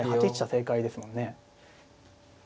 正解ですもんね。